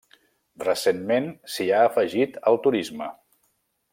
Recentment s'hi ha afegit el turisme.